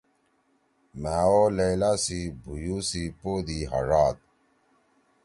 مھأ او لیلٰی سی بھیُو سی پود ئی ہاڙاد